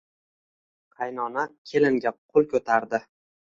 qaynona kelinga qo`l ko`tardi